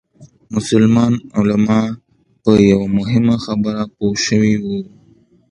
مسلمان علما په یوه مهمه خبره پوه شوي وو.